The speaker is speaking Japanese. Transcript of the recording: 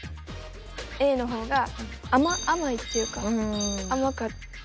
Ａの方が甘いっていうか甘かった。